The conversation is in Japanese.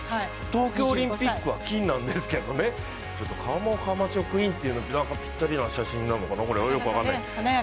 東京オリンピックは金なんですけどね、顔もカマチョ・クインというのがぴったりな写真なのかな、よく分からない。